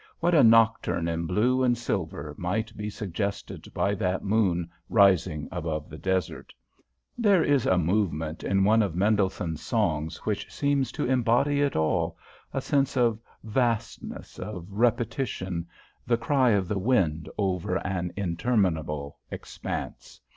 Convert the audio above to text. What a nocturne in blue and silver might be suggested by that moon rising above the desert. There is a movement in one of Mendelssohn's songs which seems to embody it all, a sense of vastness, of repetition, the cry of the wind over an interminable expanse.